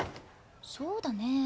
そうだね。